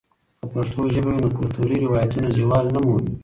که پښتو ژبه وي، نو کلتوري روایتونه نه زوال مومي.